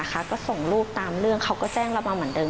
ก็ส่งรูปตามเรื่องเขาก็แจ้งเรามาเหมือนเดิ